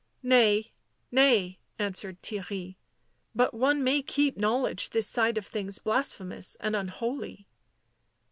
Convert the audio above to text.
" Nay, nay," answered Theirry. " But one may keep knowledge this side of things blasphemous and unholy."